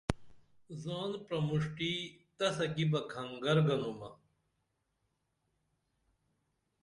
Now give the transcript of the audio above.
زان پرمُݜٹی تسہ کی بہ کھنگر گنُمہ